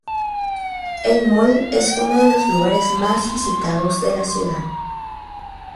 El Mall es uno de los lugares más visitados de la ciudad.